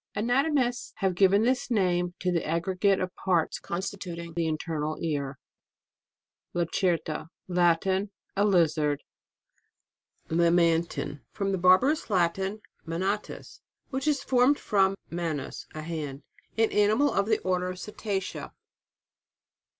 Anatomists have given this name to the aggregate of parts, constituting the internal ear. LACERTA. Latin. A lizard. LAMANTIN. From the Barbarous Lat in, manalus, which is formed from manus, a hand. An animal of the Order of Cetacea.